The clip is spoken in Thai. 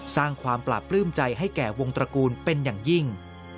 สร้างความปราบปลื้มใจให้แก่วงตระกูลเป็นอย่างยิ่ง